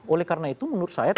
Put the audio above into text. oleh karena itu menurut saya